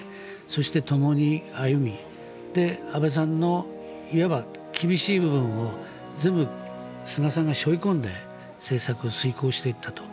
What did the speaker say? そしてともに歩み安倍さんのいわば厳しい部分を全部、菅さんが背負い込んで政策を遂行していったと。